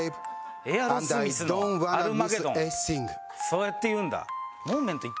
そうやって言うんだ。